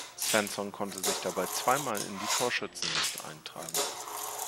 Svensson konnte sich dabei zwei Mal in die Torschützenliste eintragen.